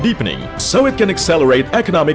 agar bisa menguatkan kembang ekonomi